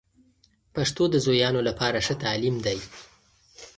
پښتو د زویانو لپاره ښه تعلیم دی.